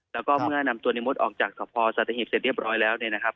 แล้วก็เมื่อนำตัวในมดออกจากสภสัตหีบเสร็จเรียบร้อยแล้วเนี่ยนะครับ